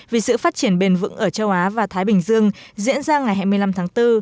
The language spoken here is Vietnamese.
vì sự phát triển bền vững ở châu á và thái bình dương diễn ra ngày hai mươi năm tháng bốn